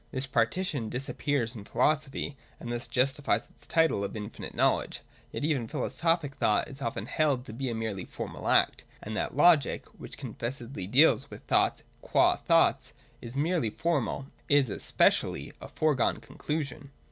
This partition dis appears in philosophy, and thus justifies its title of infinite knowledge. Yet even philosophic thought is often held to be a merely formal act ; and that logic, which confessedly deals only with thoughts qua thoughts, is merely formal, is especially a foregone conclusion.